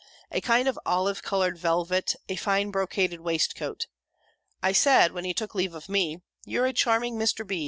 A kind of olive coloured velvet, and fine brocaded waistcoat. I said, when he took leave of me, "You're a charming Mr. B.